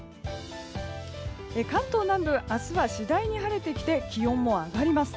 関東南部明日は次第に晴れてきて気温も上がります。